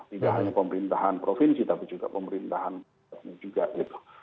tidak hanya pemerintahan provinsi tapi juga pemerintahan juga gitu